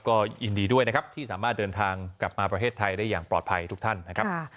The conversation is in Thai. ก็ยินดีด้วยนะครับที่สามารถเดินทางกลับมาประเทศไทยได้อย่างปลอดภัยทุกท่านนะครับ